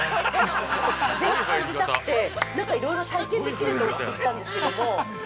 ◆ちょっと風を感じたくて、なんかいろいろ体験できるってお聞きしたんですけども。